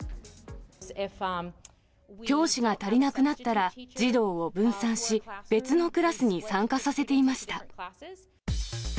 教師が足りなくなったら、児童を分散し、別のクラスに参加させていました。